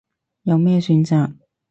有咩選擇